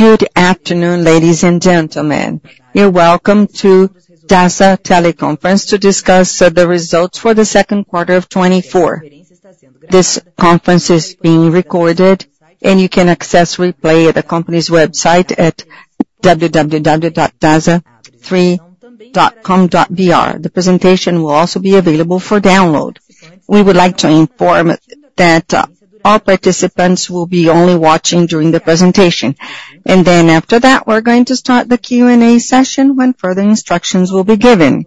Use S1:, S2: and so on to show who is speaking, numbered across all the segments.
S1: Good afternoon, ladies and gentlemen. You're welcome to Dasa teleconference to discuss the results for the second quarter of 2024. This conference is being recorded, and you can access replay at the company's website at www.dasa3.com.br. The presentation will also be available for download. We would like to inform that all participants will be only watching during the presentation, and then after that, we're going to start the Q&A session, when further instructions will be given.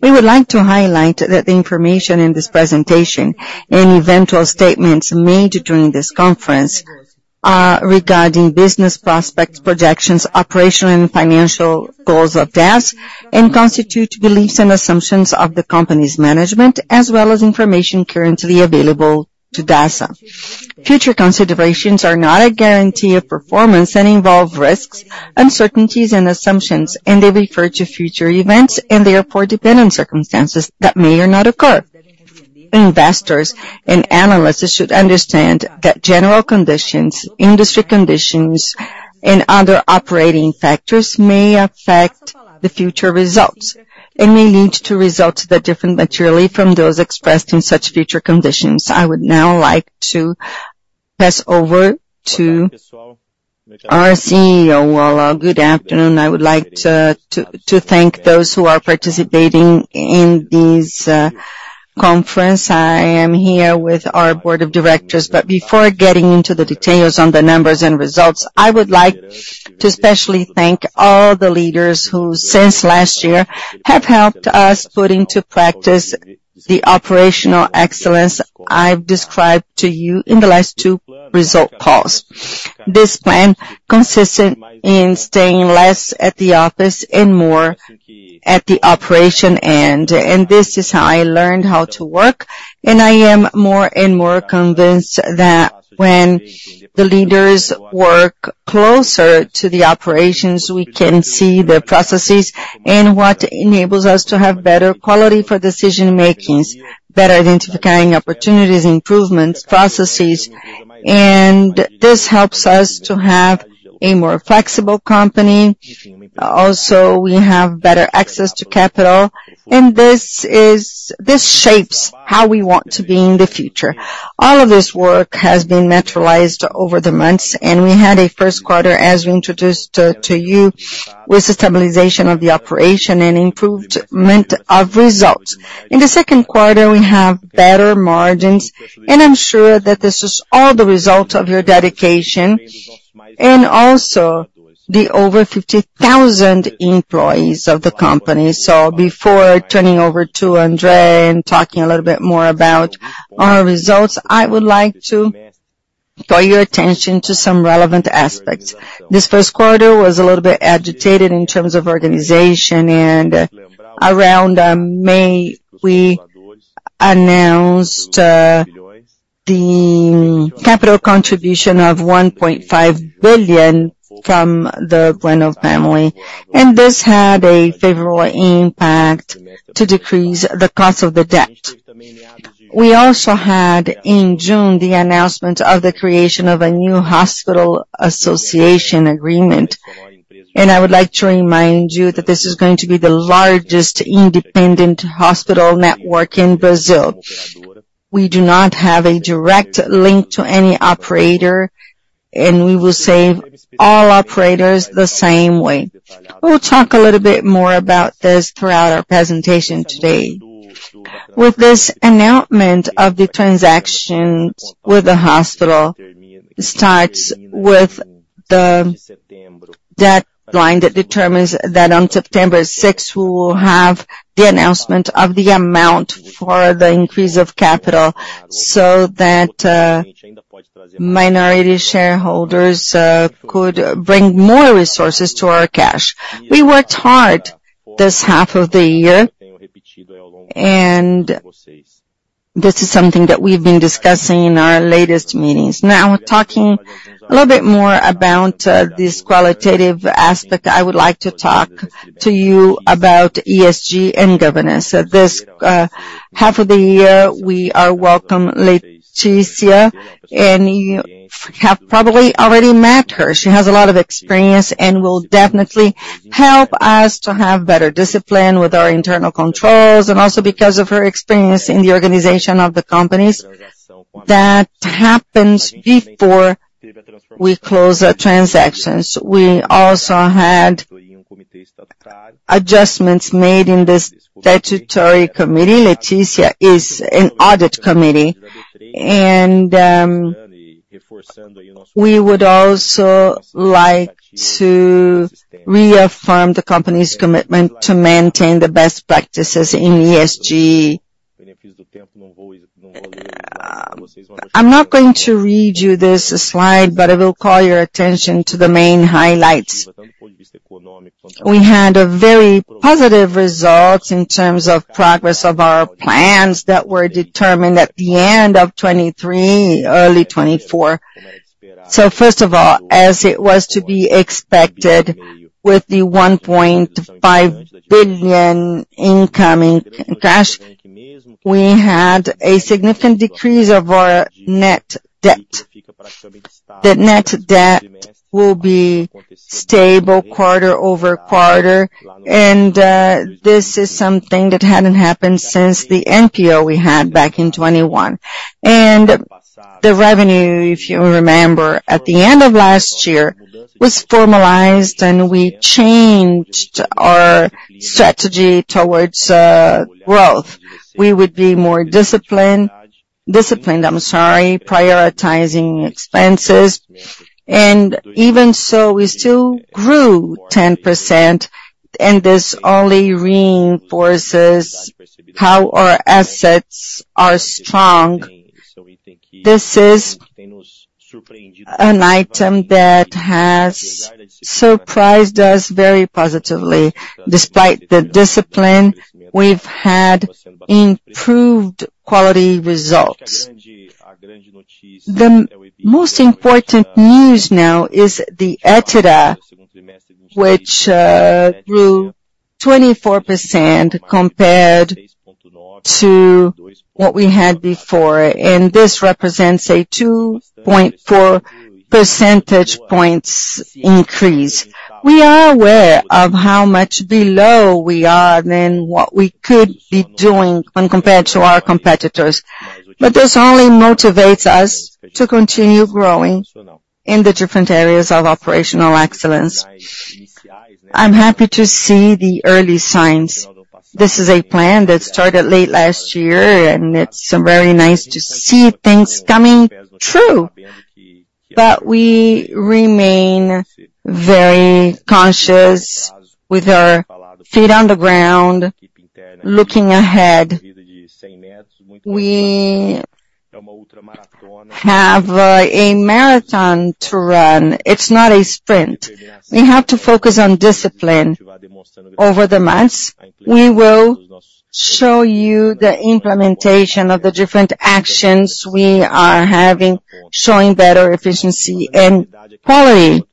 S1: We would like to highlight that the information in this presentation and eventual statements made during this conference are regarding business prospects, projections, operational and financial goals of Dasa, and constitute beliefs and assumptions of the company's management, as well as information currently available to Dasa. Future considerations are not a guarantee of performance and involve risks, uncertainties, and assumptions, and they refer to future events and therefore dependent circumstances that may or not occur. Investors and analysts should understand that general conditions, industry conditions, and other operating factors may affect the future results, and may lead to results that differ materially from those expressed in such future conditions. I would now like to pass over to our CEO.
S2: Well, good afternoon. I would like to thank those who are participating in this conference. I am here with our board of directors, but before getting into the details on the numbers and results, I would like to especially thank all the leaders who, since last year, have helped us put into practice the operational excellence I've described to you in the last two result calls. This plan consisted in staying less at the office and more at the operation end, and this is how I learned how to work. I am more and more convinced that when the leaders work closer to the operations, we can see the processes and what enables us to have better quality for decision-makings, better identifying opportunities, improvements, processes, and this helps us to have a more flexible company. Also, we have better access to capital, and this is, this shapes how we want to be in the future. All of this work has been naturalized over the months, and we had a first quarter, as we introduced to, to you, with stabilization of the operation and improvement of results. In the second quarter, we have better margins, and I'm sure that this is all the result of your dedication and also the over 50,000 employees of the company. So before turning over to André and talking a little bit more about our results, I would like to draw your attention to some relevant aspects. This first quarter was a little bit agitated in terms of organization, and around May, we announced the capital contribution of 1.5 billion from the Brenninkmeijer family, and this had a favorable impact to decrease the cost of the debt. We also had, in June, the announcement of the creation of a new hospital association agreement, and I would like to remind you that this is going to be the largest independent hospital network in Brazil. We do not have a direct link to any operator, and we will save all operators the same way. We'll talk a little bit more about this throughout our presentation today. With this announcement of the transactions with the hospital, starts with the deadline that determines that on September 6th, we will have the announcement of the amount for the increase of capital, so that minority shareholders could bring more resources to our cash. We worked hard this half of the year, and this is something that we've been discussing in our latest meetings. Now, talking a little bit more about this qualitative aspect, I would like to talk to you about ESG and governance. This half of the year, we are welcome, Letícia, and you have probably already met her. She has a lot of experience and will definitely help us to have better discipline with our internal controls, and also because of her experience in the organization of the companies. That happened before we closed our transactions. We also had adjustments made in this statutory committee. Letícia is an audit committee, and, we would also like to reaffirm the company's commitment to maintain the best practices in ESG. I'm not going to read you this slide, but I will call your attention to the main highlights. We had a very positive results in terms of progress of our plans that were determined at the end of 2023, early 2024. So first of all, as it was to be expected, with the 1.5 billion incoming cash, we had a significant decrease of our net debt. The net debt will be stable quarter-over-quarter, and this is something that hadn't happened since the NPO we had back in 2021. The revenue, if you remember, at the end of last year, was formalized, and we changed our strategy towards growth. We would be more discipline, disciplined, I'm sorry, prioritizing expenses, and even so, we still grew 10%, and this only reinforces how our assets are strong. This is an item that has surprised us very positively. Despite the discipline, we've had improved quality results. The most important news now is the EBITDA, which grew 24% compared to what we had before, and this represents a 2.4 percentage points increase. We are aware of how much below we are than what we could be doing when compared to our competitors, but this only motivates us to continue growing in the different areas of operational excellence. I'm happy to see the early signs. This is a plan that started late last year, and it's very nice to see things coming true. But we remain very conscious with our feet on the ground, looking ahead. We have a marathon to run. It's not a sprint. We have to focus on discipline. Over the months, we will show you the implementation of the different actions we are having, showing better efficiency and quality.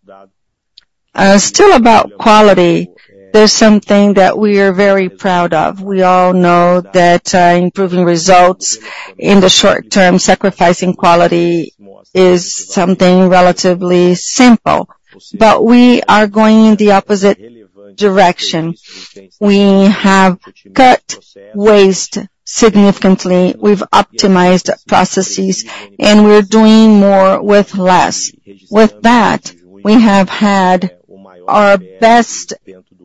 S2: Still about quality, there's something that we are very proud of. We all know that improving results in the short term, sacrificing quality is something relatively simple, but we are going in the opposite direction. We have cut waste significantly, we've optimized processes, and we're doing more with less. With that, we have had our best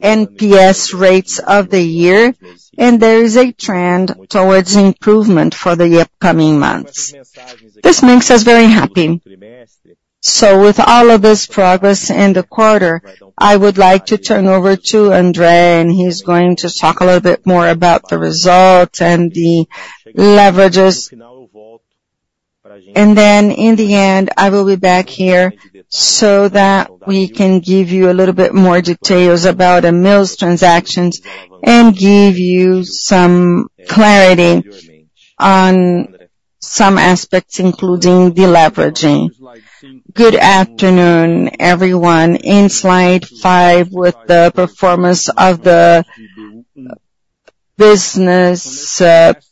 S2: NPS rates of the year, and there is a trend towards improvement for the upcoming months. This makes us very happy. So with all of this progress in the quarter, I would like to turn over to André, and he's going to talk a little bit more about the result and the leverages. And then in the end, I will be back here so that we can give you a little bit more details about Amil's transactions and give you some clarity on some aspects, including deleveraging.
S3: Good afternoon, everyone. In Slide five, with the performance of the business,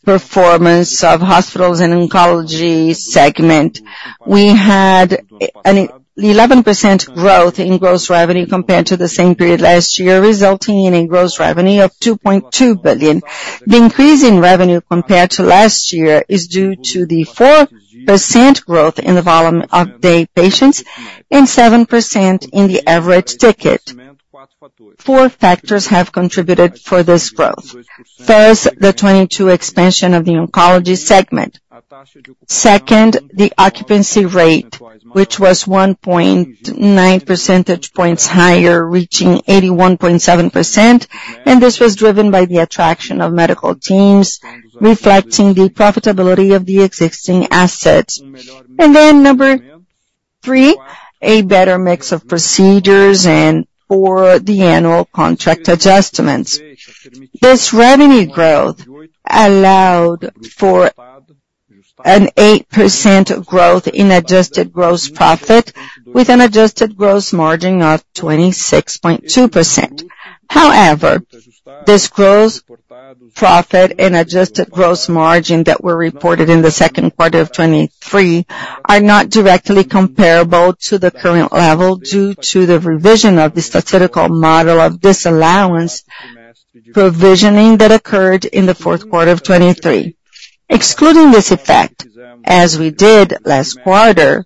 S3: performance of hospitals and oncology segment, we had an 11% growth in gross revenue compared to the same period last year, resulting in gross revenue of 2.2 billion. The increase in revenue compared to last year is due to the 4% growth in the volume of day patients and 7% in the average ticket. Four factors have contributed for this growth. First, the 2022 expansion of the oncology segment. Second, the occupancy rate, which was 1.9 percentage points higher, reaching 81.7%, and this was driven by the attraction of medical teams, reflecting the profitability of the existing assets. And then number three, a better mix of procedures and or the annual contract adjustments. This revenue growth allowed for an 8% growth in Adjusted gross profit, with an Adjusted gross margin of 26.2%. However, this gross profit and Adjusted gross margin that were reported in the second quarter of 2023 are not directly comparable to the current level due to the revision of the statistical model of disallowance provisioning that occurred in the fourth quarter of 2023. Excluding this effect, as we did last quarter,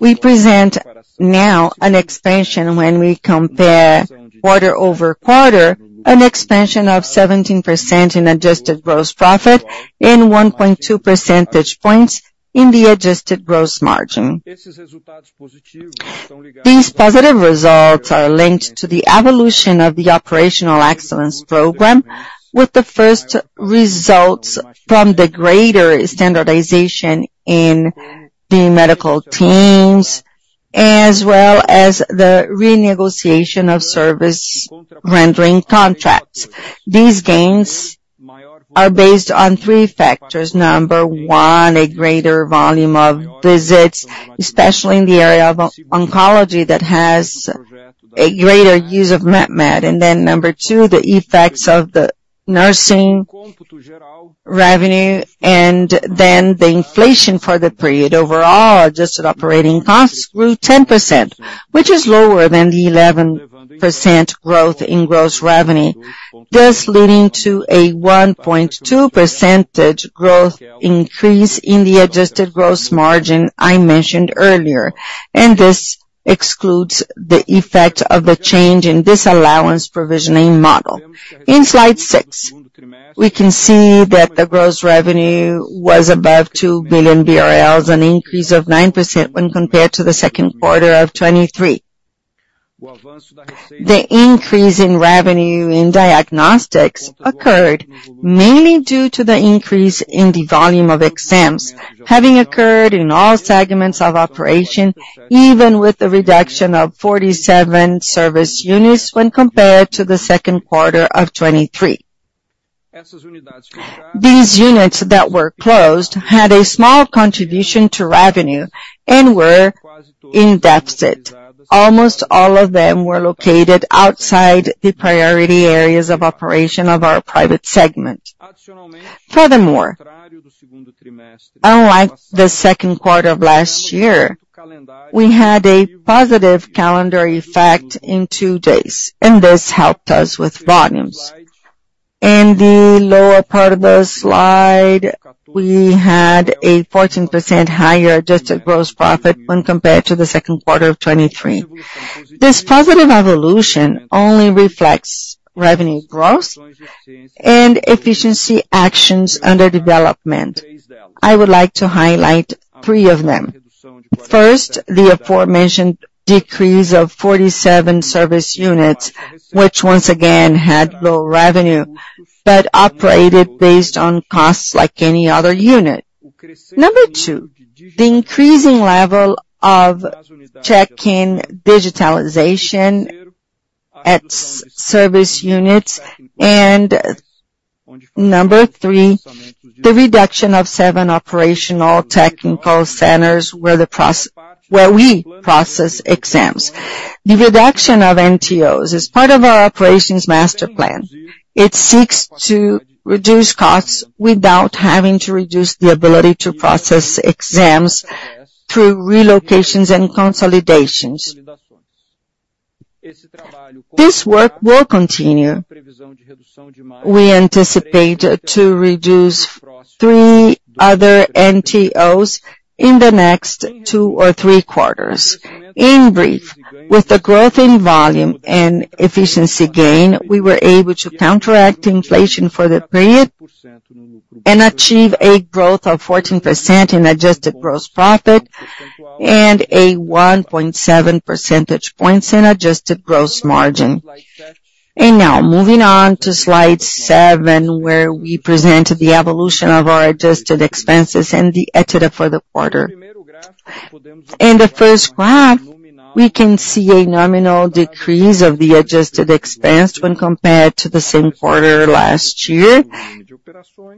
S3: we present now an expansion when we compare quarter-over-quarter, an expansion of 17% in Adjusted gross profit and 1.2 percentage points in the Adjusted gross margin. These positive results are linked to the evolution of the operational excellence program, with the first results from the greater standardization in the medical teams, as well as the renegotiation of service rendering contracts. These gains are based on three factors. Number 1, a greater volume of visits, especially in the area of oncology, that has a greater use of MatMed. And then number two, the effects of the nursing revenue, and then the inflation for the period. Overall, Adjusted operating costs grew 10%, which is lower than the 11% growth in gross revenue, thus leading to a 1.2 percentage growth increase in the Adjusted gross margin I mentioned earlier, and this excludes the effect of the change in this allowance provisioning model. In Slide six, we can see that the gross revenue was above 2 billion BRL, an increase of 9% when compared to the second quarter of 2023. The increase in revenue in diagnostics occurred mainly due to the increase in the volume of exams, having occurred in all segments of operation, even with the reduction of 47 service units when compared to the second quarter of 2023. These units that were closed had a small contribution to revenue and were in deficit. Almost all of them were located outside the priority areas of operation of our private segment. Furthermore, unlike the second quarter of last year, we had a positive calendar effect in two days, and this helped us with volumes. In the lower part of the slide, we had a 14% higher Adjusted gross profit when compared to the second quarter of 2023. This positive evolution only reflects revenue growth and efficiency actions under development. I would like to highlight three of them. First, the aforementioned decrease of 47 service units, which once again had low revenue, but operated based on costs like any other unit. Number two, the increasing level of check-in digitalization at service units, and number three, the reduction of 7 operational technical centers, where we process exams. The reduction of NTOs is part of our operations master plan. It seeks to reduce costs without having to reduce the ability to process exams through relocations and consolidations. This work will continue. We anticipate to reduce three other NTOs in the next two or three quarters. In brief, with the growth in volume and efficiency gain, we were able to counteract inflation for the period and achieve a growth of 14% in Adjusted gross profit and a 1.7 percentage points in Adjusted gross margin. And now, moving on to slide seven, where we present the evolution of our Adjusted expenses and the EBITDA for the quarter. In the first graph, we can see a nominal decrease of the Adjusted expense when compared to the same quarter last year,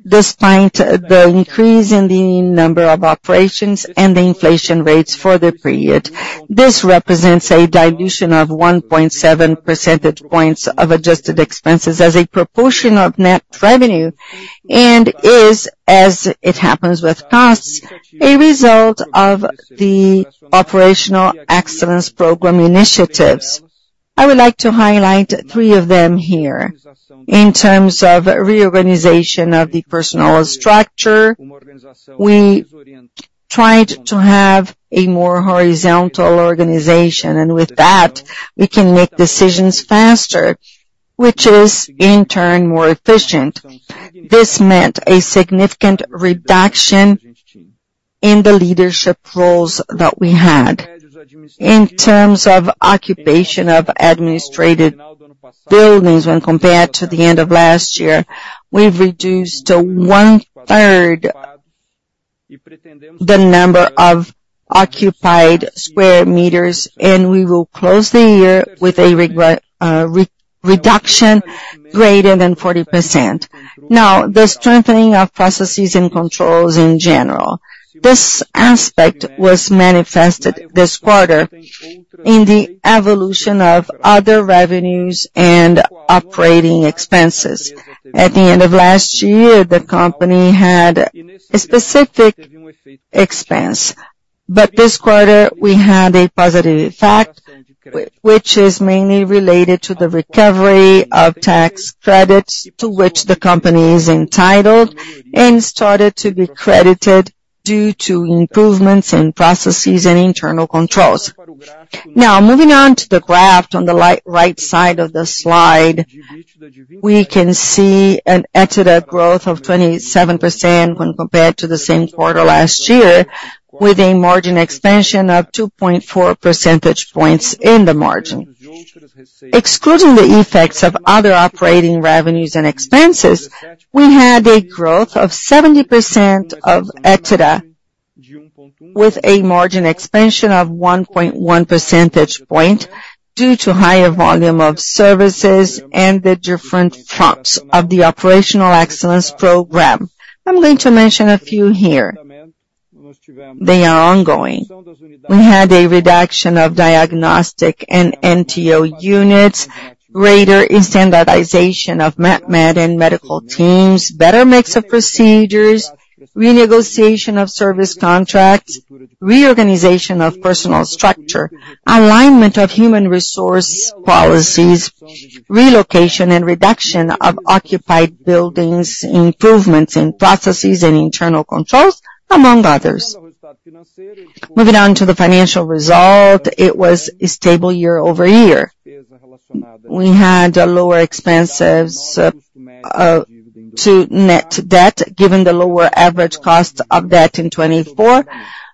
S3: despite the increase in the number of operations and the inflation rates for the period. This represents a dilution of 1.7 percentage points of Adjusted expenses as a proportion of net revenue, and is, as it happens with costs, a result of the Operational Excellence Program initiatives. I would like to highlight three of them here. In terms of reorganization of the personnel structure, we tried to have a more horizontal organization, and with that, we can make decisions faster, which is, in turn, more efficient. This meant a significant reduction in the leadership roles that we had. In terms of occupation of administrative buildings when compared to the end of last year, we've reduced to 1/3 the number of occupied square meters, and we will close the year with a reduction greater than 40%. Now, the strengthening of processes and controls in general. This aspect was manifested this quarter in the evolution of other revenues and operating expenses. At the end of last year, the company had a specific expense, but this quarter we had a positive effect, which is mainly related to the recovery of tax credits to which the company is entitled, and started to be credited due to improvements in processes and internal controls. Now, moving on to the graph on the right side of the slide, we can see an EBITDA growth of 27% when compared to the same quarter last year, with a margin expansion of 2.4 percentage points in the margin. Excluding the effects of other operating revenues and expenses, we had a growth of 70% of EBITDA. With a margin expansion of 1.1 percentage point, due to higher volume of services and the different fronts of the operational excellence program. I'm going to mention a few here. They are ongoing. We had a reduction of diagnostic and NTO units, greater instantiation of MatMed and medical teams, better mix of procedures, renegotiation of service contracts, reorganization of personnel structure, alignment of human resource policies, relocation and reduction of occupied buildings, improvements in processes and internal controls, among others. Moving on to the financial result, it was a stable year-over-year. We had a lower expenses to net debt, given the lower average cost of debt in 2024,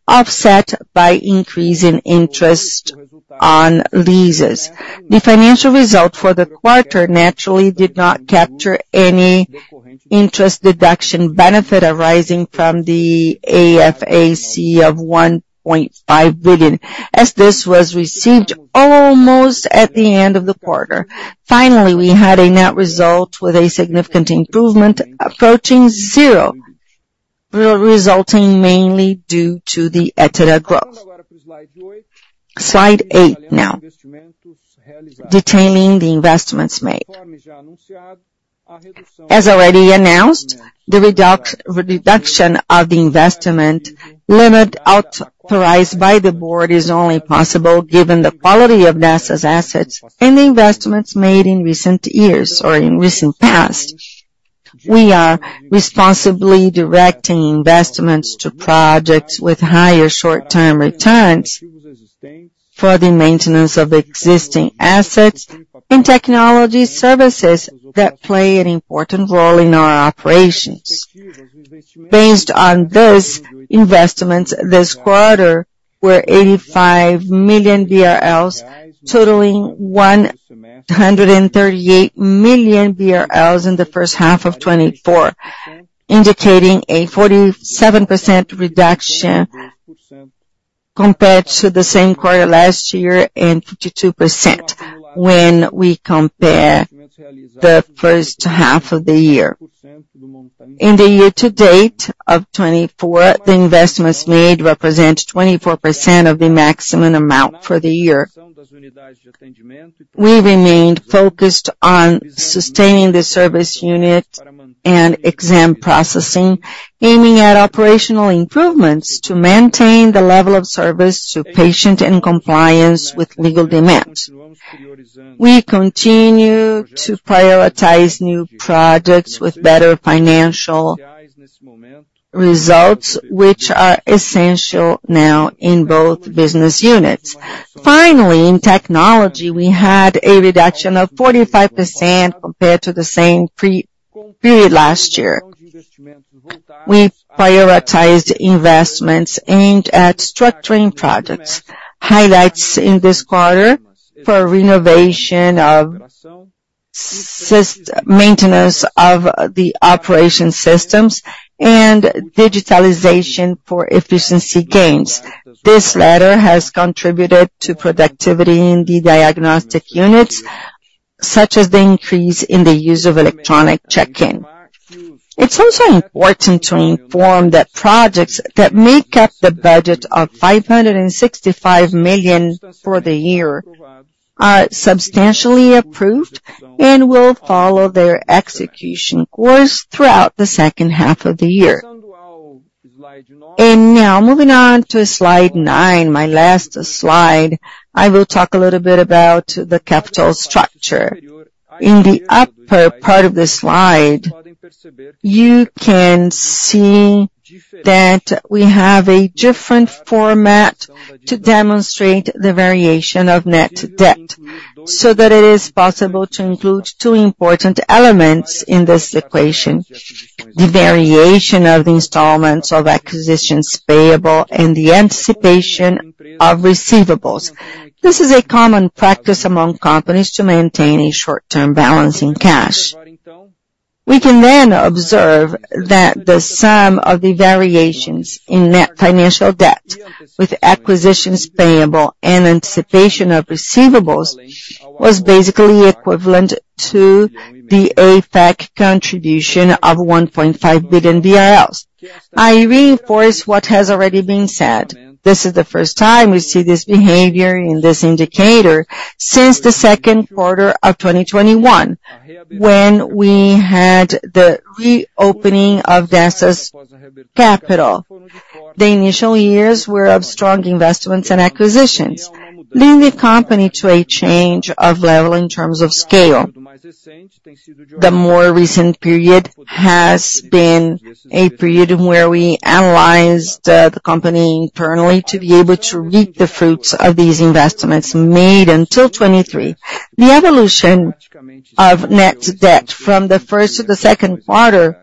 S3: offset by increase in interest on leases. The financial result for the quarter naturally did not capture any interest deduction benefit arising from the AFAC of 1.5 billion, as this was received almost at the end of the quarter. Finally, we had a net result with a significant improvement, approaching zero, resulting mainly due to the EBITDA growth. Slide eight now, detailing the investments made. As already announced, the reduction of the investment limit authorized by the board is only possible given the quality of Dasa's assets and the investments made in recent years or in recent past. We are responsibly directing investments to projects with higher short-term returns for the maintenance of existing assets and technology services that play an important role in our operations. Based on this, investments this quarter were 85 million BRL, totaling 138 million BRL in the first half of 2024, indicating a 47% reduction compared to the same quarter last year, and 52% when we compare the first half of the year. In the year to date of 2024, the investments made represent 24% of the maximum amount for the year. We remained focused on sustaining the service unit and exam processing, aiming at operational improvements to maintain the level of service to patient and compliance with legal demands. We continue to prioritize new projects with better financial results, which are essential now in both business units. Finally, in technology, we had a reduction of 45% compared to the same prior period last year. We prioritized investments aimed at structuring products. Highlights in this quarter for renovation of systems, maintenance of the operating systems and digitalization for efficiency gains. This latter has contributed to productivity in the diagnostic units, such as the increase in the use of electronic check-in. It's also important to inform that projects that make up the budget of 565 million for the year are substantially approved and will follow their execution course throughout the second half of the year. Now, moving on to slide nine, my last slide, I will talk a little bit about the capital structure. In the upper part of the slide, you can see that we have a different format to demonstrate the variation of net debt, so that it is possible to include two important elements in this equation: the variation of the installments of acquisitions payable and the anticipation of receivables. This is a common practice among companies to maintain a short-term balance in cash. We can then observe that the sum of the variations in net financial debt with acquisitions payable and anticipation of receivables, was basically equivalent to the AFAC contribution of 1.5 billion BRL. I reinforce what has already been said. This is the first time we see this behavior in this indicator since the second quarter of 2021, when we had the reopening of Dasa's capital. The initial years were of strong investments and acquisitions, leading the company to a change of level in terms of scale. The more recent period has been a period where we analyzed the company internally to be able to reap the fruits of these investments made until 2023. The evolution of net debt from the first to the second quarter,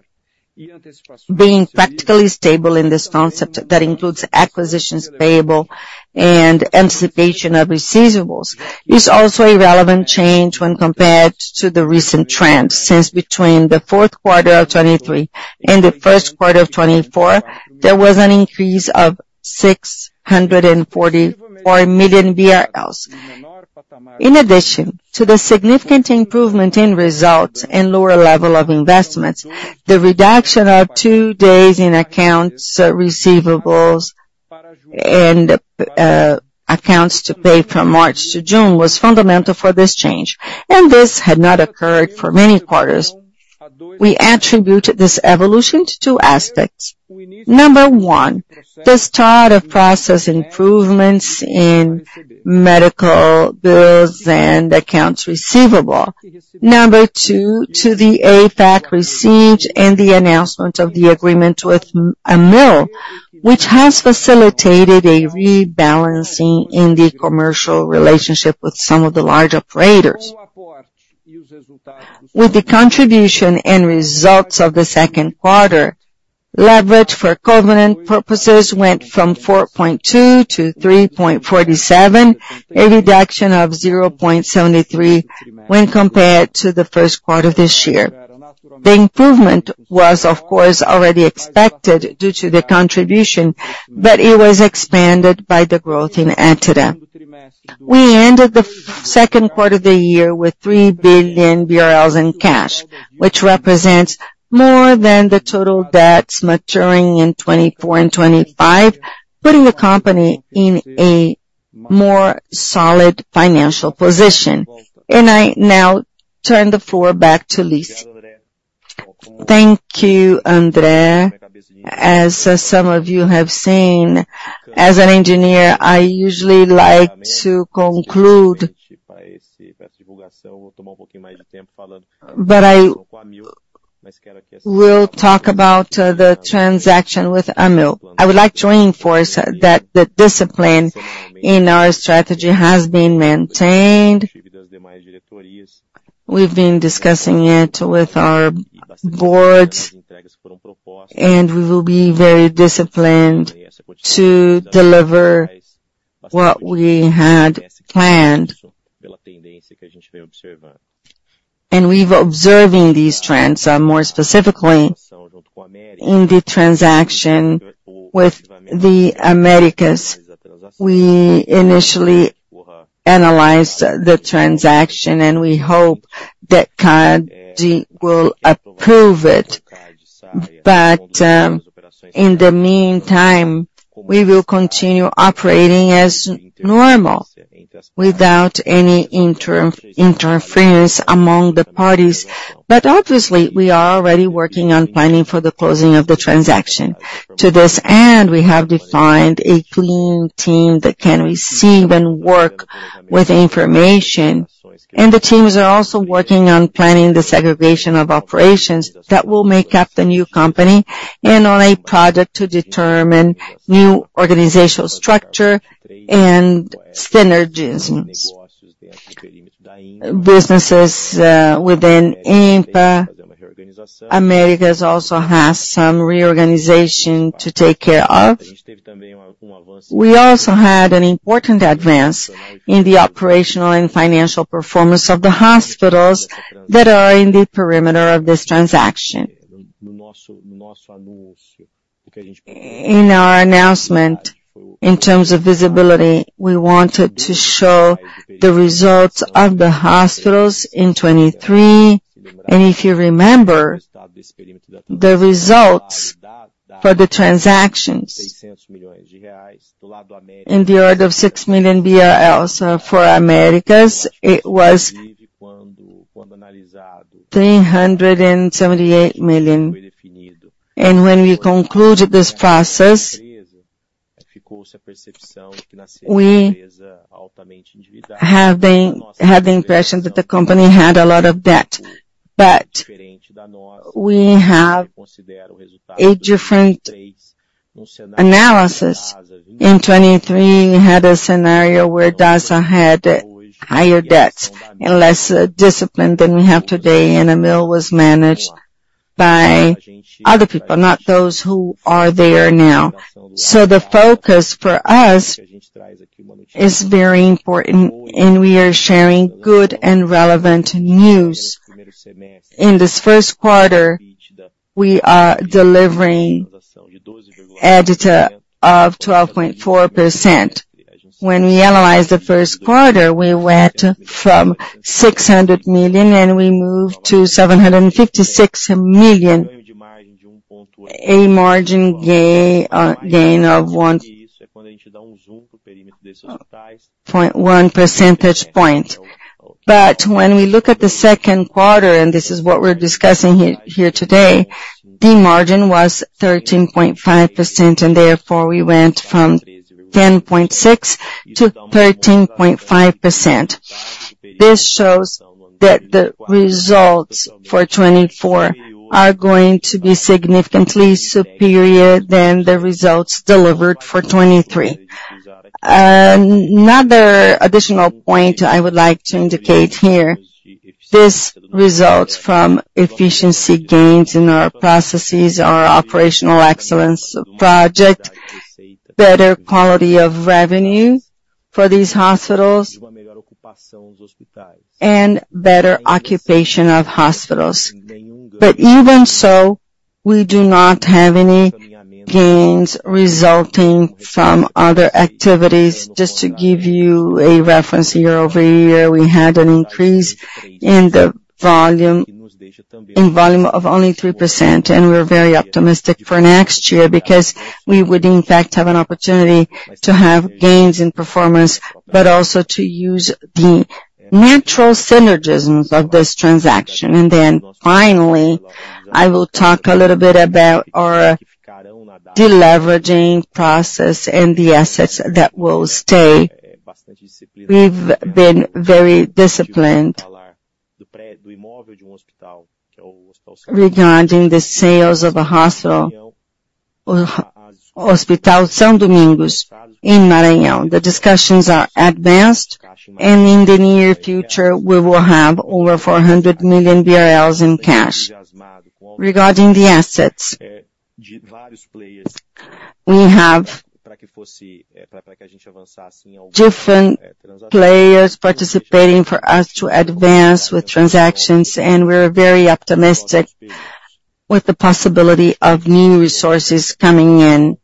S3: being practically stable in this concept that includes acquisitions payable and anticipation of receivables, is also a relevant change when compared to the recent trends, since between the fourth quarter of 2023 and the first quarter of 2024, there was an increase of 644 million BRL. In addition to the significant improvement in results and lower level of investments, the reduction of two days in accounts, receivables and accounts to pay from March to June was fundamental for this change, and this had not occurred for many quarters. We attribute this evolution to two aspects. Number one, the start of process improvements in medical bills and accounts receivable. Number two, to the AFAC received and the announcement of the agreement with Amil, which has facilitated a rebalancing in the commercial relationship with some of the large operators. With the contribution and results of the second quarter, leverage for covenant purposes went from 4.2 to 3.47, a reduction of 0.73 when compared to the first quarter of this year. The improvement was, of course, already expected due to the contribution, but it was expanded by the growth in EBITDA. We ended the second quarter of the year with 3 billion BRL in cash, which represents more than the total debts maturing in 2024 and 2025, putting the company in a more solid financial position. I now turn the floor back to Letícia.
S4: Thank you, André. As some of you have seen, as an engineer, I usually like to conclude. But I will talk about the transaction with Amil. I would like to reinforce that the discipline in our strategy has been maintained. We've been discussing it with our boards, and we will be very disciplined to deliver what we had planned. And we've observing these trends, more specifically in the transaction with the Americas. We initially analyzed the transaction, and we hope that CADE will approve it. But, in the meantime, we will continue operating as normal without any interference among the parties. But obviously, we are already working on planning for the closing of the transaction. To this end, we have defined a clean team that can receive and work with information, and the teams are also working on planning the segregation of operations that will make up the new company, and on a project to determine new organizational structure and synergisms. Businesses within Ímpar, Americas also has some reorganization to take care of. We also had an important advance in the operational and financial performance of the hospitals that are in the perimeter of this transaction. In our announcement, in terms of visibility, we wanted to show the results of the hospitals in 2023, and if you remember, the results for the transactions in the order of 6 million BRL. So for Americas, it was 378 million. When we concluded this process, we had the impression that the company had a lot of debt. But we have a different analysis. In 2023, we had a scenario where DASA had higher debts and less discipline than we have today, and Amil was managed by other people, not those who are there now. So the focus for us is very important, and we are sharing good and relevant news. In this first quarter, we are delivering EBITDA of 12.4%. When we analyzed the first quarter, we went from 600 million, and we moved to 756 million, a margin gain of 1.1 percentage point. But when we look at the second quarter, and this is what we're discussing here today, the margin was 13.5%, and therefore, we went from 10.6%-13.5%. This shows that the results for 2024 are going to be significantly superior than the results delivered for 2023. Another additional point I would like to indicate here, this results from efficiency gains in our processes, our operational excellence project, better quality of revenue for these hospitals, and better occupation of hospitals. But even so, we do not have any gains resulting from other activities. Just to give you a reference, year-over-year, we had an increase in the volume, in volume of only 3%, and we're very optimistic for next year, because we would, in fact, have an opportunity to have gains in performance, but also to use the natural synergisms of this transaction. And then finally, I will talk a little bit about our de-leveraging process and the assets that will stay. We've been very disciplined regarding the sales of a hospital, Hospital São Domingos, in Maranhão. The discussions are advanced, and in the near future, we will have over BRL 400 million in cash. Regarding the assets, we have different players participating for us to advance with transactions, and we're very optimistic with the possibility of new resources coming in,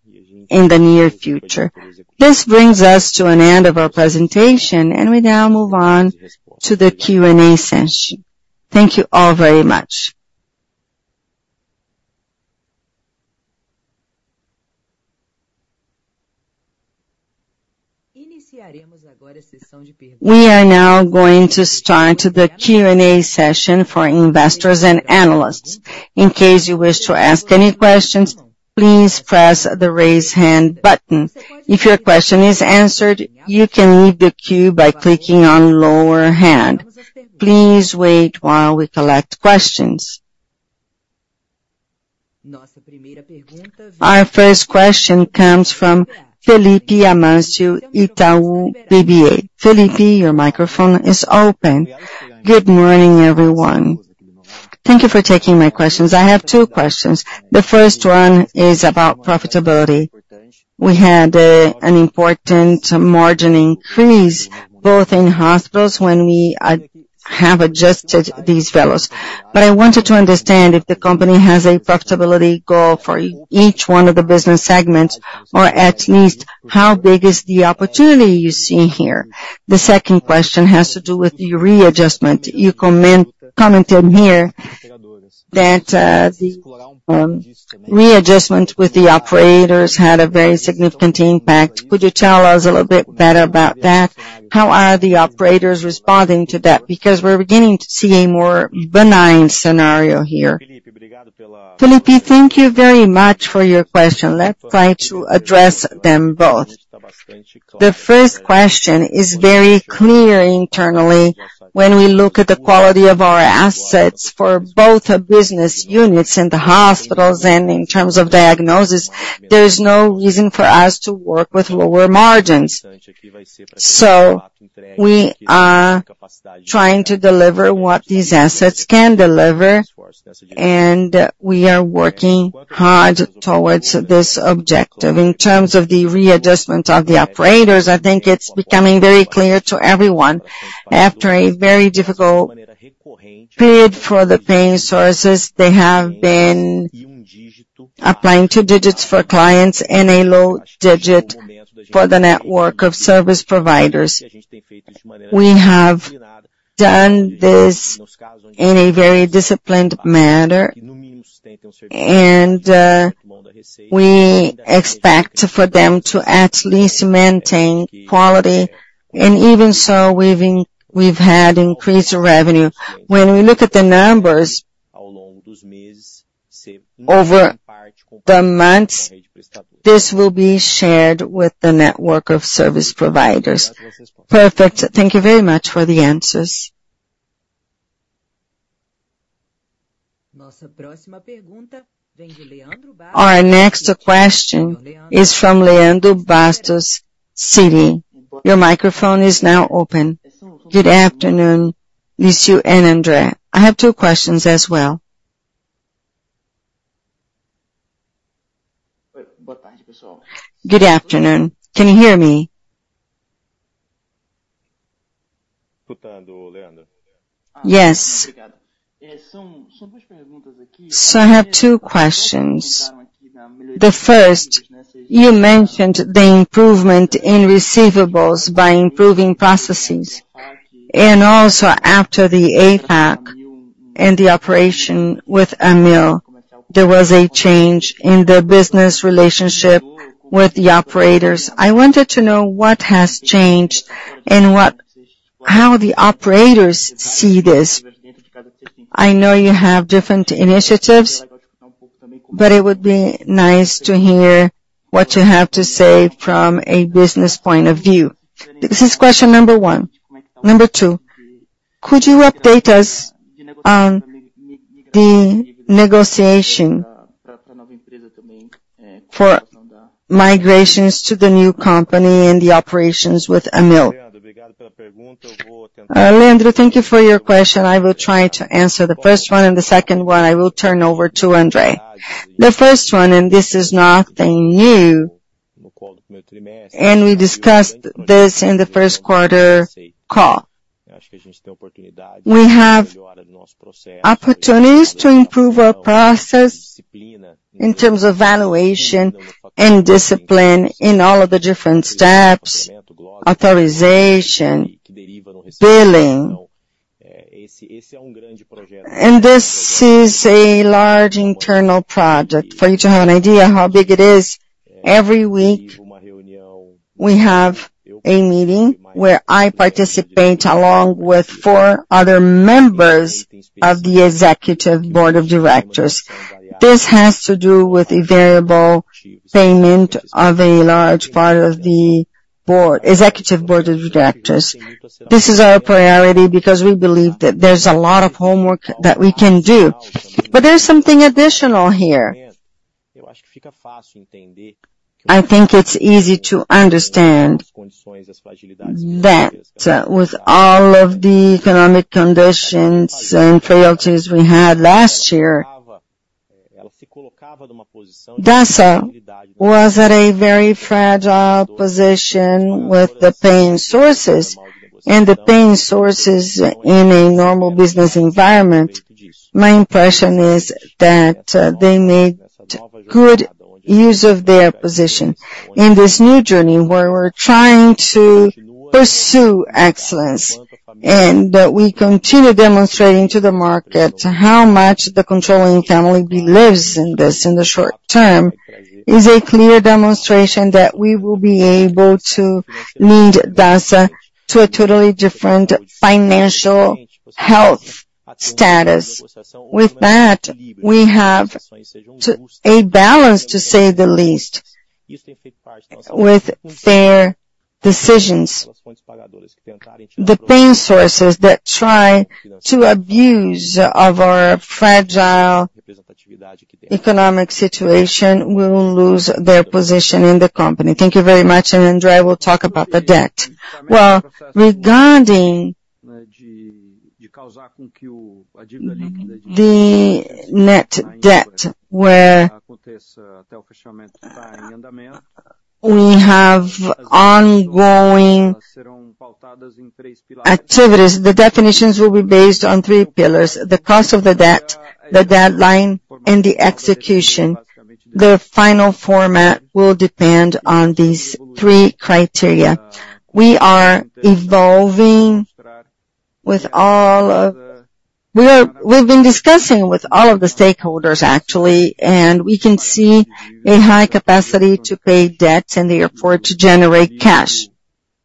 S4: in the near future. This brings us to an end of our presentation, and we now move on to the Q&A session.
S1: Thank you all very much. We are now going to start the Q&A session for investors and analysts. In case you wish to ask any questions, please press the Raise Hand button. If your question is answered, you can leave the queue by clicking on Lower Hand. Please wait while we collect questions. Our first question comes from Felipe Amancio, Itaú BBA. Felipe, your microphone is open.
S5: Good morning, everyone. Thank you for taking my questions. I have two questions. The first one is about profitability. We had an important margin increase, both in hospitals when we have adjusted these fellows. But I wanted to understand if the company has a profitability goal for each one of the business segments, or at least how big is the opportunity you see here? The second question has to do with the readjustment. You commented here that the readjustment with the operators had a very significant impact. Could you tell us a little bit better about that? How are the operators responding to that? Because we're beginning to see a more benign scenario here.
S2: Felipe, thank you very much for your question. Let's try to address them both. The first question is very clear internally. When we look at the quality of our assets for both the business units and the hospitals, and in terms of diagnosis, there is no reason for us to work with lower margins. So we are trying to deliver what these assets can deliver, and we are working hard towards this objective. In terms of the readjustment of the operators, I think it's becoming very clear to everyone. After a very difficult period for the paying sources, they have been applying two digits for clients and a low digit for the network of service providers. We have done this in a very disciplined manner, and we expect for them to at least maintain quality. And even so, we've had increased revenue. When we look at the numbers over the months, this will be shared with the network of service providers. Perfect.
S5: Thank you very much for the answers.
S1: Our next question is from Leandro Bastos, Citi. Your microphone is now open.
S6: Good afternoon, Lício and André. I have two questions as well. Good afternoon. Can you hear me? Yes. So I have two questions. The first, you mentioned the improvement in receivables by improving processes, and also after the AFAC and the operation with Amil, there was a change in the business relationship with the operators. I wanted to know what has changed and what - how the operators see this. I know you have different initiatives, but it would be nice to hear what you have to say from a business point of view. This is question number one. Number two, could you update us on the negotiation for migrations to the new company and the operations with Amil?
S2: Leandro, thank you for your question. I will try to answer the first one, and the second one, I will turn over to André. The first one, and this is nothing new. We discussed this in the first quarter call. We have opportunities to improve our process in terms of valuation and discipline in all of the different steps, authorization, billing. And this is a large internal project. For you to have an idea how big it is, every week, we have a meeting where I participate, along with four other members of the executive board of directors. This has to do with a variable payment of a large part of the board, executive board of directors. This is our priority, because we believe that there's a lot of homework that we can do. But there's something additional here. I think it's easy to understand that with all of the economic conditions and frailties we had last year, Dasa was at a very fragile position with the paying sources, and the paying sources in a normal business environment. My impression is that they made good use of their position. In this new journey, where we're trying to pursue excellence, and we continue demonstrating to the market how much the controlling family believes in this in the short term, is a clear demonstration that we will be able to lead Dasa to a totally different financial health status. With that, we have a balance, to say the least, with fair decisions. The paying sources that try to abuse of our fragile economic situation will lose their position in the company. Thank you very much, and André will talk about the debt.
S3: Well, regarding the net debt, where we have ongoing activities, the definitions will be based on three pillars: the cost of the debt, the deadline, and the execution. The final format will depend on these three criteria. We've been discussing with all of the stakeholders, actually, and we can see a high capacity to pay debts and therefore, to generate cash.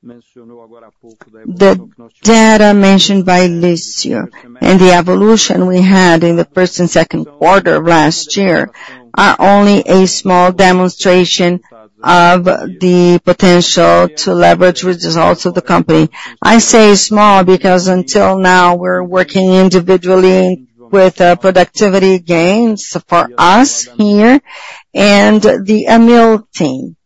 S3: The data mentioned by Lício and the evolution we had in the first and second quarter of last year are only a small demonstration of the potential to leverage, which is also the company. I say small, because until now, we're working individually with productivity gains for us here and the Amil team.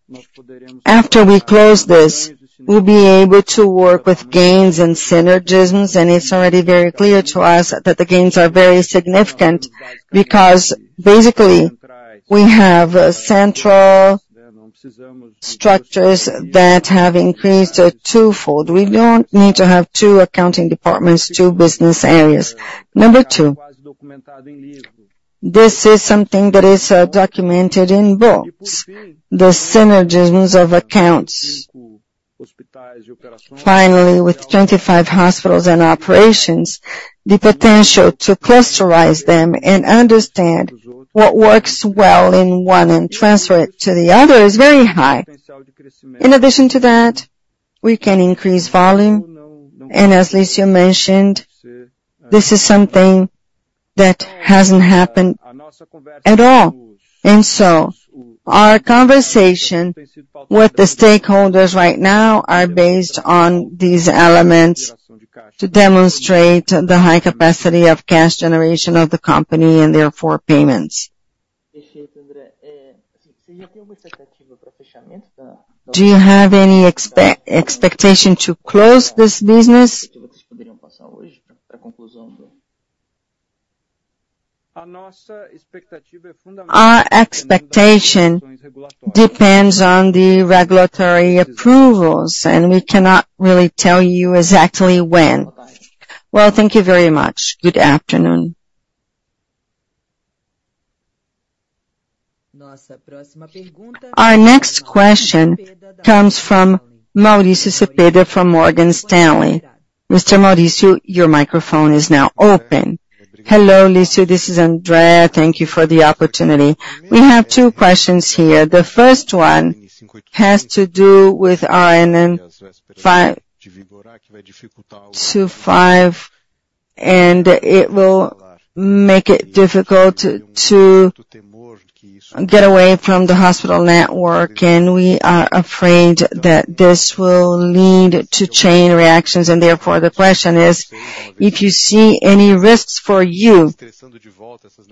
S3: After we close this, we'll be able to work with gains and synergisms, and it's already very clear to us that the gains are very significant, because basically, we have central structures that have increased twofold. We don't need to have two accounting departments, two business areas. Number two, this is something that is documented in books, the synergisms of accounts. Finally, with 25 hospitals and operations, the potential to clusterize them and understand what works well in one and transfer it to the other is very high. In addition to that, we can increase volume, and as Lício mentioned, this is something that hasn't happened at all. And so our conversation with the stakeholders right now are based on these elements to demonstrate the high capacity of cash generation of the company and therefore, payments.
S6: Do you have any expectation to close this business?
S3: Our expectation depends on the regulatory approvals, and we cannot really tell you exactly when.
S6: Well, thank you very much. Good afternoon.
S1: Our next question comes from Mauricio Cepeda from Morgan Stanley. Mr. Mauricio, your microphone is now open.
S7: Hello, Lício, this is Andrea. Thank you for the opportunity. We have two questions here. The first one has to do with RN 525, and it will make it difficult to get away from the hospital network, and we are afraid that this will lead to chain reactions. And therefore, the question is: If you see any risks for you,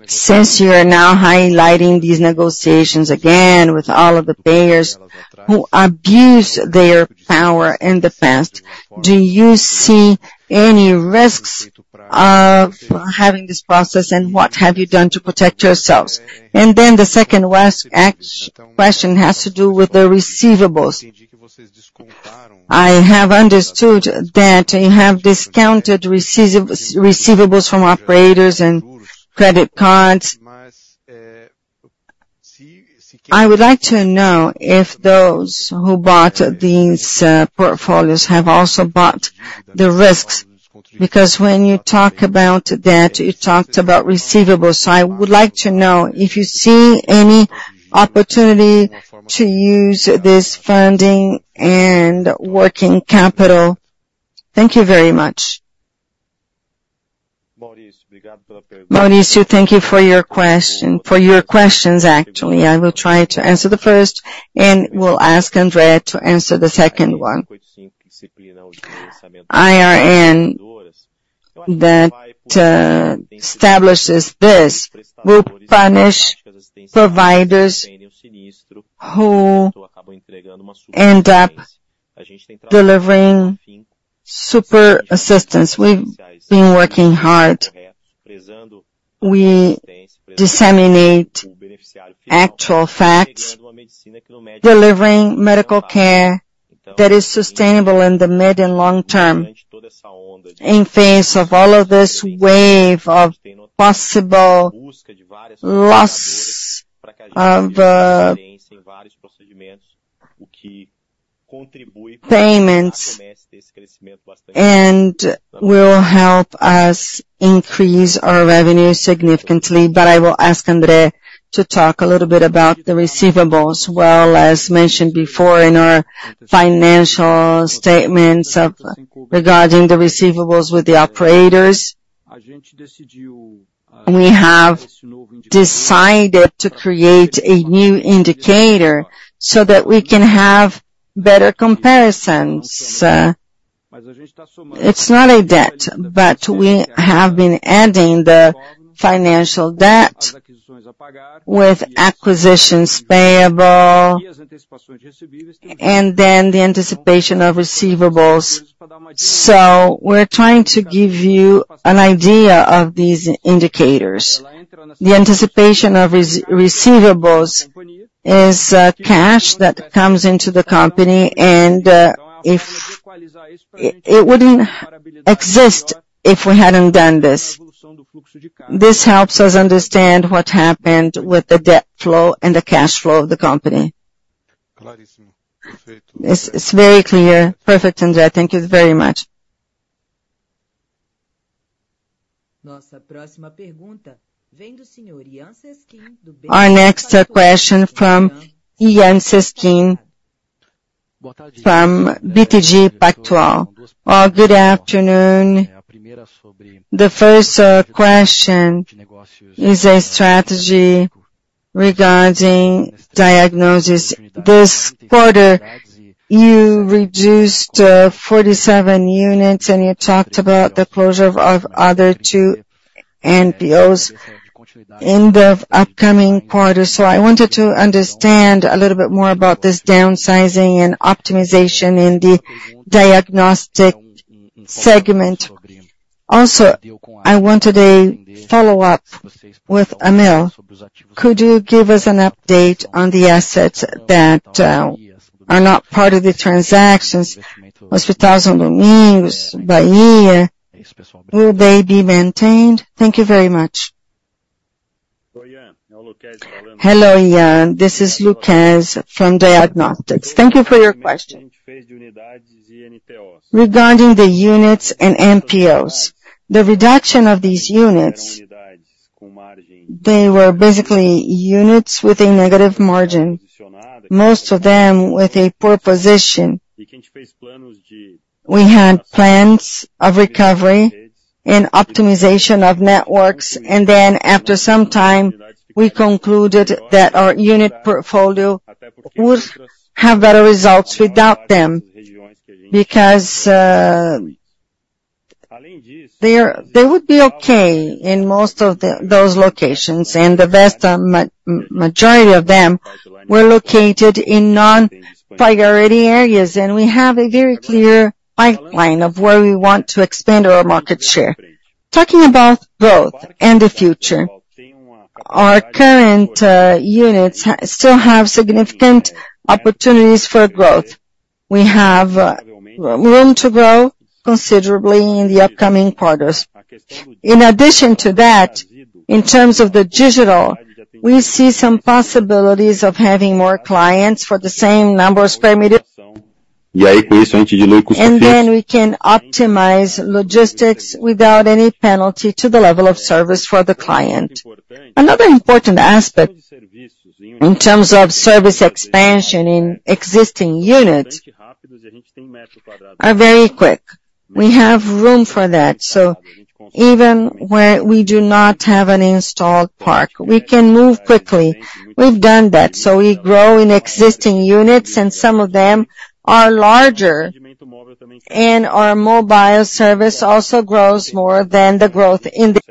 S7: since you are now highlighting these negotiations again with all of the payers who abused their power in the past, do you see any risks of having this process, and what have you done to protect yourselves? And then the second-last question has to do with the receivables. I have understood that you have discounted receivables from operators and credit cards. I would like to know if those who bought these portfolios have also bought the risks, because when you talk about that, you talked about receivables. So I would like to know if you see any opportunity to use this funding and working capital. Thank you very much.
S2: Mauricio, thank you for your question—for your questions, actually. I will try to answer the first, and will ask André to answer the second one. RN that establishes this will punish providers who end up delivering super assistance. We've been working hard. We disseminate actual facts, delivering medical care that is sustainable in the mid and long term. In face of all of this wave of possible loss of payments and will help us increase our revenue significantly. But I will ask André to talk a little bit about the receivables.
S3: Well, as mentioned before, in our financial statements regarding the receivables with the operators, we have decided to create a new indicator so that we can have better comparisons. It's not a debt, but we have been adding the financial debt with acquisitions payable, and then the anticipation of receivables. So we're trying to give you an idea of these indicators. The anticipation of receivables is cash that comes into the company, and if it wouldn't exist if we hadn't done this. This helps us understand what happened with the debt flow and the cash flow of the company.
S7: It's very clear. Perfect, André. Thank you very much.
S1: Our next question from Yan Cesquim from BTG Pactual.
S8: Oh, good afternoon. The first question is a strategy regarding diagnosis. This quarter, you reduced 47 units, and you talked about the closure of other two NTOs in the upcoming quarter. So I wanted to understand a little bit more about this downsizing and optimization in the diagnostic segment. Also, I wanted a follow-up with Amil. Could you give us an update on the assets that are not part of the transactions? Hospital São Lucas, Hospital da Bahia, will they be maintained? Thank you very much. Hello, Yan, this is Lucchesi from Diagnostics. Thank you for your question. Regarding the units and NTOs, the reduction of these units, they were basically units with a negative margin, most of them with a poor position. We had plans of recovery and optimization of networks, and then after some time, we concluded that our unit portfolio would have better results without them, because they would be okay in most of those locations, and the vast majority of them were located in non-priority areas. We have a very clear pipeline of where we want to expand our market share. Talking about growth and the future, our current units still have significant opportunities for growth. We have room to grow considerably in the upcoming quarters. In addition to that, in terms of the digital, we see some possibilities of having more clients for the same numbers permitted, and then we can optimize logistics without any penalty to the level of service for the client. Another important aspect, in terms of service expansion in existing units, are very quick. We have room for that, so even where we do not have an installed park, we can move quickly. We've done that, so we grow in existing units, and some of them are larger, and our mobile service also grows more than the growth in the...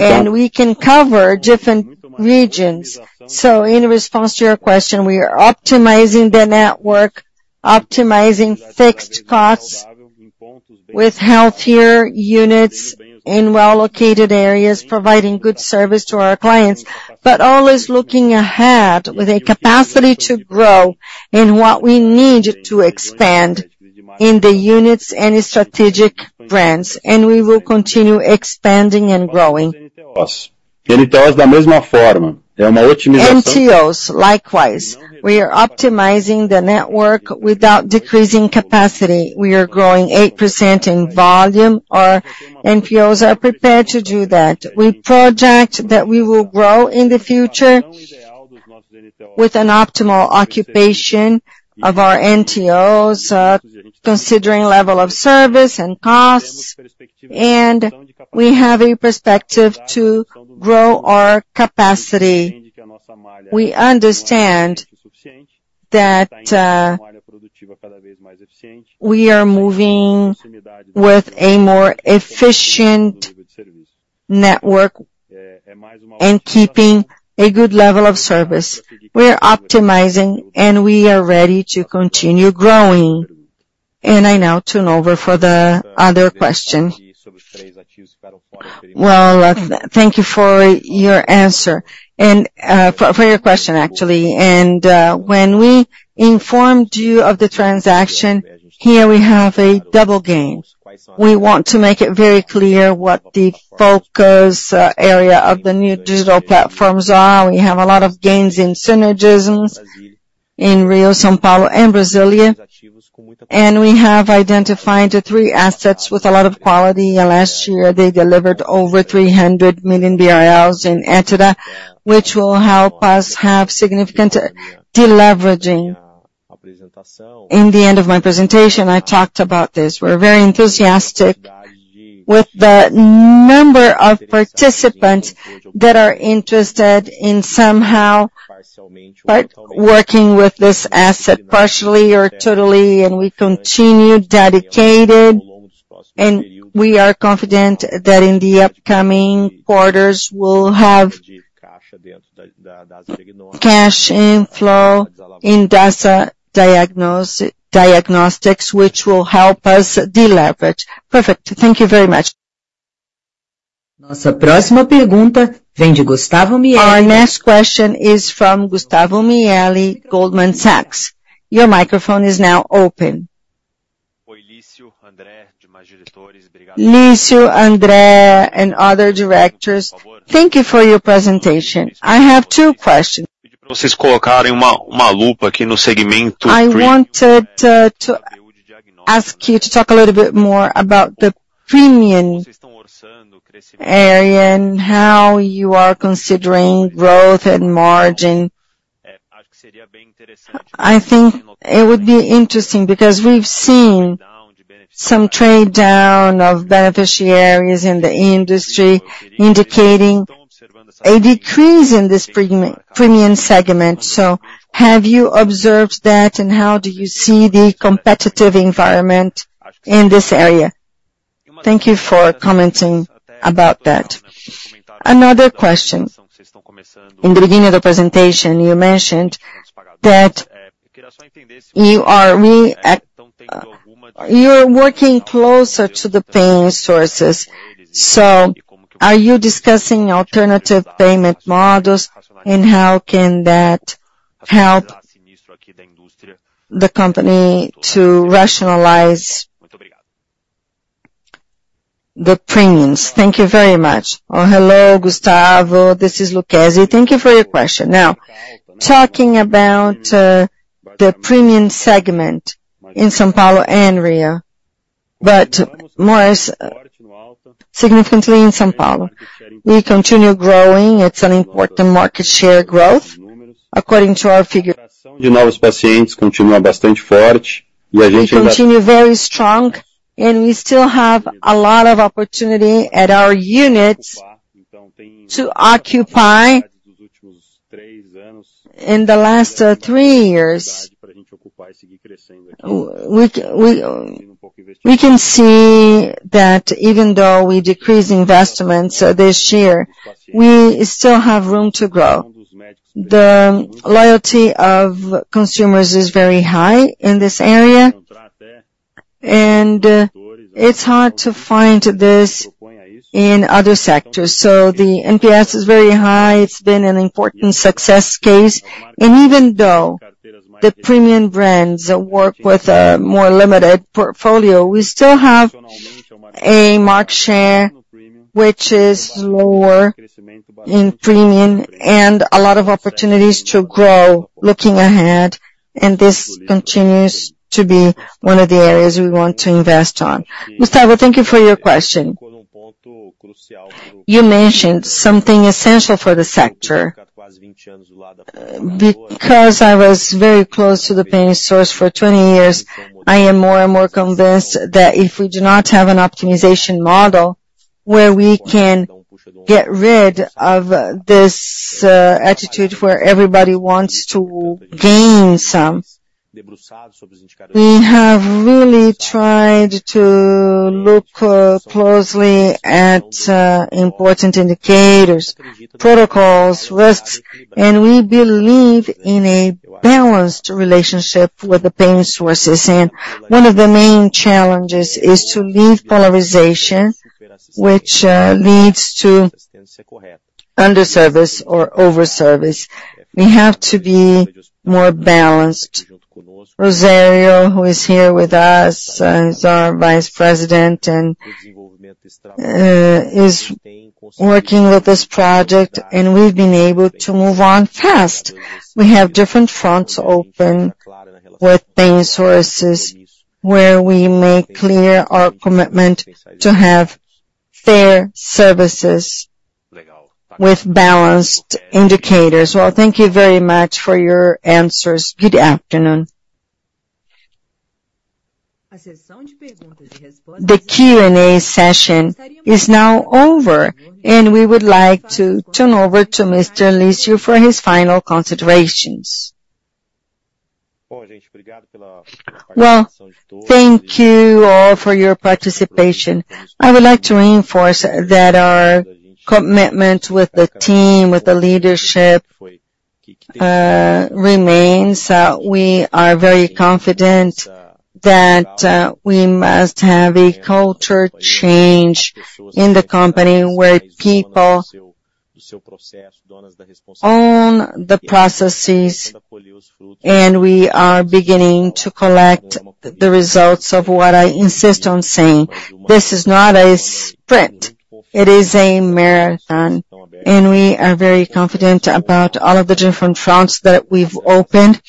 S8: And we can cover different regions. So in response to your question, we are optimizing the network, optimizing fixed costs... With healthier units in well-located areas, providing good service to our clients, but always looking ahead with a capacity to grow in what we need to expand in the units and strategic brands, and we will continue expanding and growing. NTOs, likewise, we are optimizing the network without decreasing capacity. We are growing 8% in volume. Our NTOs are prepared to do that. We project that we will grow in the future with an optimal occupation of our NTOs, considering level of service and costs, and we have a perspective to grow our capacity. We understand that, we are moving with a more efficient network and keeping a good level of service. We are optimizing, and we are ready to continue growing. I now turn over for the other question. Well, thank you for your answer, and, for, for your question, actually. When we informed you of the transaction, here we have a double gain. We want to make it very clear what the focus area of the new digital platforms are. We have a lot of gains in synergies in Rio, São Paulo, and Brasília, and we have identified the three assets with a lot of quality. And last year, they delivered over 300 million BRL in EBITDA, which will help us have significant deleveraging. In the end of my presentation, I talked about this. We're very enthusiastic with the number of participants that are interested in somehow partnering with this asset, partially or totally, and we continue dedicated, and we are confident that in the upcoming quarters, we'll have cash inflow in Dasa Diagnostics, which will help us deleverage. Perfect. Thank you very much.
S1: Our next question is from Gustavo Miele, Goldman Sachs. Your microphone is now open.
S9: Oi, Lício, André, and other directors, thank you for your presentation. I have two questions. I wanted to ask you to talk a little bit more about the premium area and how you are considering growth and margin. I think it would be interesting because we've seen some trade down of beneficiaries in the industry, indicating a decrease in this premium, premium segment. So have you observed that, and how do you see the competitive environment in this area? Thank you for commenting about that. Another question: in the beginning of the presentation, you mentioned that you're working closer to the paying sources. So are you discussing alternative payment models, and how can that help the company to rationalize the premiums? Thank you very much.
S10: Oh, hello, Gustavo. This is Lucchesi. Thank you for your question. Now, talking about the premium segment in São Paulo and Rio, but more significantly in São Paulo. We continue growing. It's an important market share growth. According to our figure, we continue very strong, and we still have a lot of opportunity at our units to occupy in the last three years. We can see that even though we decreased investments this year, we still have room to grow. The loyalty of consumers is very high in this area, and it's hard to find this in other sectors. So the NPS is very high. It's been an important success case. And even though the premium brands work with a more limited portfolio, we still have a market share which is lower in premium and a lot of opportunities to grow looking ahead, and this continues to be one of the areas we want to invest on. Gustavo, thank you for your question. You mentioned something essential for the sector. Because I was very close to the paying source for 20 years, I am more and more convinced that if we do not have an optimization model where we can get rid of this attitude where everybody wants to gain some. We look closely at important indicators, protocols, risks, and we believe in a balanced relationship with the paying sources. And one of the main challenges is to leave polarization, which leads to under-service or over-service. We have to be more balanced. Rosario, who is here with us, is our vice president, and is working with this project, and we've been able to move on fast. We have different fronts open with paying sources, where we make clear our commitment to have fair services with balanced indicators. Well, thank you very much for your answers. Good afternoon.
S1: The Q&A session is now over, and we would like to turn over to Mr. Lício for his final considerations.
S2: Well, thank you all for your participation. I would like to reinforce that our commitment with the team, with the leadership, remains. We are very confident that we must have a culture change in the company, where people own the processes, and we are beginning to collect the results of what I insist on saying: This is not a sprint, it is a marathon. And we are very confident about all of the different fronts that we've opened.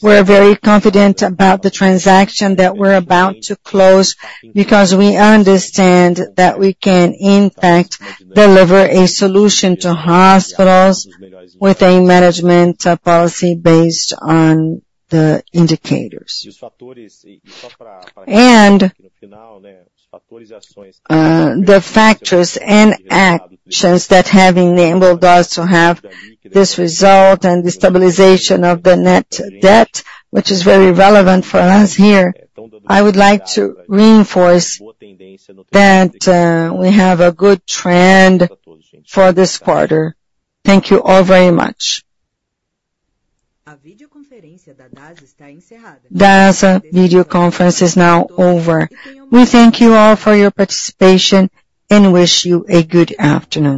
S2: We're very confident about the transaction that we're about to close, because we understand that we can, in fact, deliver a solution to hospitals with a management policy based on the indicators. The factors and actions that have enabled us to have this result and the stabilization of the net debt, which is very relevant for us here. I would like to reinforce that we have a good trend for this quarter. Thank you all very much.
S1: Dasa video conference is now over. We thank you all for your participation, and wish you a good afternoon.